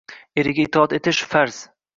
Eriga itoat etish – farz.